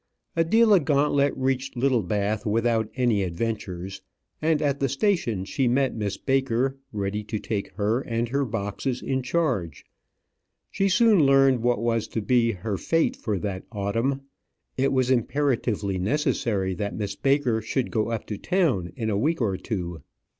Adela Gauntlet reached Littlebath without any adventures, and at the station she met Miss Baker ready to take her and her boxes in charge. She soon learned what was to be her fate for that autumn. It was imperatively necessary that Miss Baker should go up to town in a week or two.